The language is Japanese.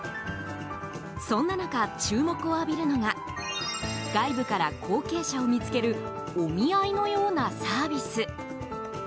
そんな中、注目を浴びるのが外部から後継者を見つけるお見合いのようなサービス。